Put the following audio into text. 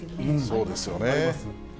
そうですよね。